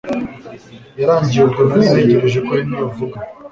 yarangiye ubwo nari ntegereje ko Henry avuga